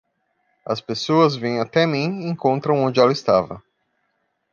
As pessoas vêm até mim e encontram onde ela estava.